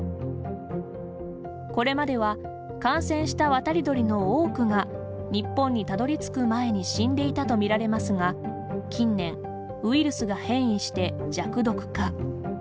これまでは感染した渡り鳥の多くが日本にたどり着く前に死んでいたと見られますが近年、ウイルスが変異して弱毒化。